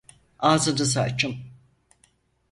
Ağzınızı açın.